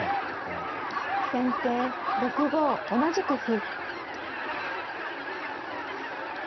先手６五同じく歩。